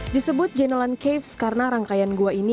disebut genelon caves karena rangkaian gua ini